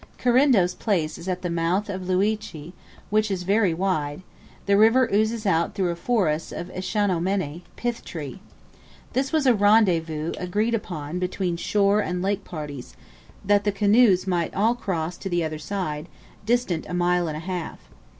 Kirindo's place is at the mouth of the Liuche, which is very wide; the river oozes out through a forest of eschinomenae (pith tree). This was a rendezvous agreed upon between shore and lake parties, that the canoes might all cross to the other side, distant a mile and a half.